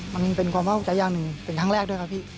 มันเป็นความภาคภูมิใจอย่างหนึ่งเป็นครั้งแรกด้วยครับพี่